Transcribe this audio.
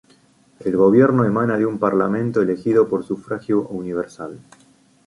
El gobierno emana de un Parlamento elegido por sufragio universal.